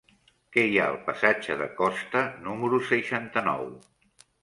Què hi ha al passatge de Costa número seixanta-nou?